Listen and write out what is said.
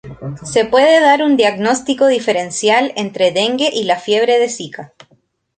Se puede dar un diagnóstico diferencial entre dengue y la fiebre de Zika.